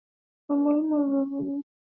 umuhimu wa viazi lishe